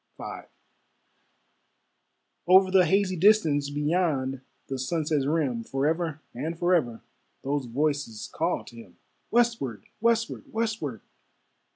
V Over the hazy distance, Beyond the sunset's rim, Forever and forever Those voices called to him. Westward! westward! westward!